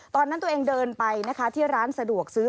ตอนนั้นตัวเองเดินไปนะคะที่ร้านสะดวกซื้อ